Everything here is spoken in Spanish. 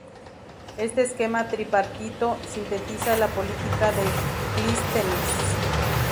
Este esquema tripartito sintetiza la política de Clístenes.